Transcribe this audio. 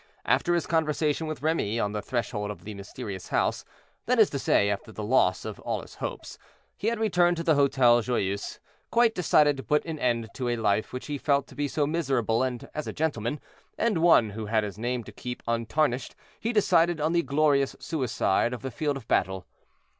After his conversation with Remy, on the threshold of the mysterious house, that is to say, after the loss of all his hopes, he had returned to the Hotel Joyeuse, quite decided to put an end to a life which he felt to be so miserable, and as a gentleman, and one who had his name to keep untarnished, he decided on the glorious suicide of the field of battle.